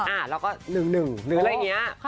อะแล้วก็๑๑หรืออะไรเงี้ย